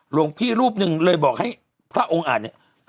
หลวงพี่รูปหนึ่งเลยบอกให้พระองค์อ่านเนี่ย